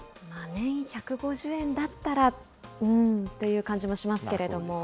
年１５０円だったら、うんという感じもしますけれども。